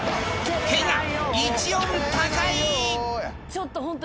ちょっとホント。